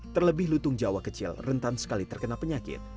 terlebih lutung jawa kecil rentan sekali terkena penyakit